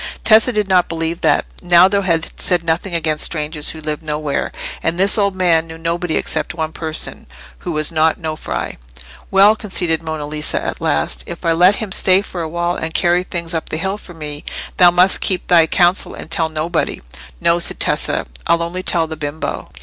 Tessa did not believe that. Naldo had said nothing against strangers who lived nowhere; and this old man knew nobody except one person, who was not Nofri. "Well," conceded Monna Lisa, at last, "if I let him stay for a while and carry things up the hill for me, thou must keep thy counsel and tell nobody." "No," said Tessa, "I'll only tell the bimbo."